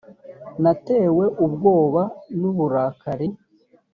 natewe ubwoba n uburakari